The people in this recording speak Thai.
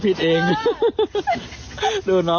มิชุนา